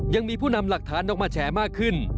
ยังมีผู้นำหลักฐานออกมาแฉมากขึ้น